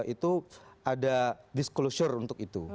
itu ada disclosure untuk itu